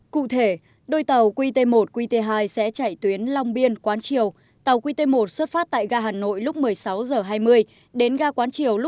cụ thể đôi tàu qt một qt hai sẽ chạy tuyến long biên quán triều